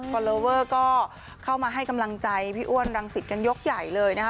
อลเลอเวอร์ก็เข้ามาให้กำลังใจพี่อ้วนรังสิตกันยกใหญ่เลยนะคะ